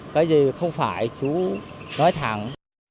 cái gì không phải chú nói thẳng